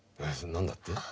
何だって？